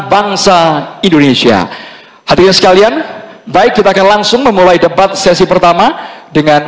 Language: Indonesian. bangsa indonesia hadirin sekalian baik kita akan langsung memulai debat sesi pertama dengan